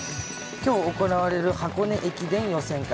きょう行われる箱根駅伝予選会。